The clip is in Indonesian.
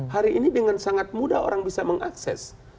hari ini dengan sangat mudah orang bisa mengakses